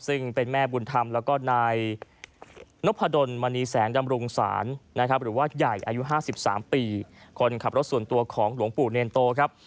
ซึ่งเป็นแม่บุญธรรมแล้วก็นายนพดลมณีแสงดำรุงศาลนะครับหรือว่าใหญ่อายุ๕๓ปีคนขับรถส่วนตัวของหลวงปู่เนรโตครับ